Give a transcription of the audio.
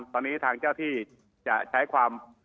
ตอนนี้ทางเจ้าที่จะใช้ความ